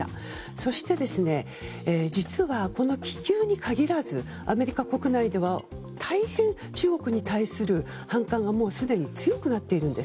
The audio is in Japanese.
そして実は、この気球に限らずアメリカ国内では大変、中国に対する反感がすでに強くなっているンです。